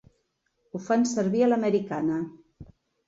Ho fan servir a l'americana.